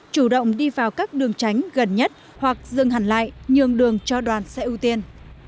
chủ động đi vào các đường tránh gần nhất hoặc dừng hẳn lại nhường đường cho đoàn xe ưu tiên